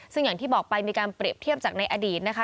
ซึ่งอย่างที่บอกไปมีการเปรียบเทียบจากในอดีตนะคะ